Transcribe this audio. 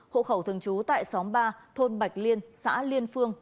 hộ khẩu thường trú tại xóm ba thôn bạch liên xã liên phương